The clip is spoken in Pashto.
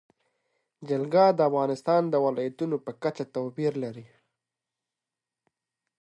جلګه د افغانستان د ولایاتو په کچه توپیر لري.